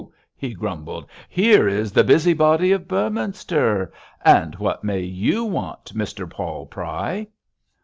he grumbled, 'here is the busybody of Beorminster. And what may you want, Mr Paul Pry?'